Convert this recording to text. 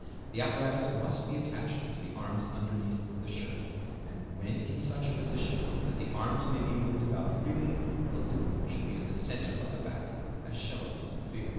The apparatus must be attached to the arms underneath the shirt, and when in such a position that the arms may be moved about freely, the loop should be in the center of the back, as shown in Fig.